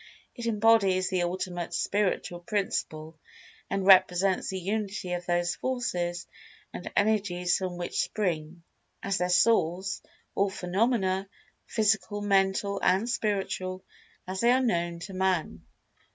It embodies the ultimate spiritual principle, and represents the unity of those forces and energies from which spring, as their source, all phenomena, physical, mental and spiritual, as they are known to man."